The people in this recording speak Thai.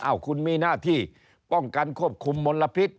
คุณมีหน้าที่ป้องกันควบคุมมลพิษ